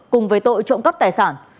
cùng với tội trộm cắp tài sản